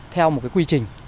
theo một quy trình